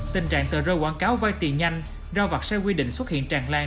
tình trạng tờ rơi quảng cáo vay tiền nhanh do vặt xe quy định xuất hiện tràn lan